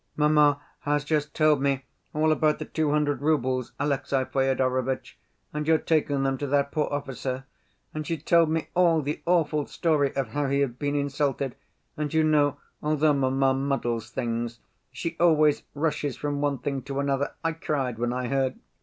"Mamma has just told me all about the two hundred roubles, Alexey Fyodorovitch, and your taking them to that poor officer ... and she told me all the awful story of how he had been insulted ... and you know, although mamma muddles things ... she always rushes from one thing to another ... I cried when I heard.